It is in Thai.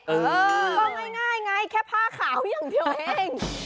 เออก็ง่ายไงแค่ผ้าขาวอย่างเดียวเอง